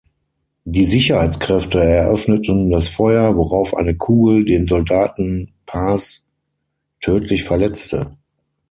Die Sicherheitskräfte eröffneten das Feuer, worauf eine Kugel den Soldaten Paz tödlich verletzte.